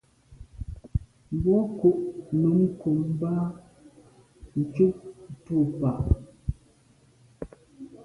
Mbwôg ko’ num kum ba’ ntshùb tu ba’.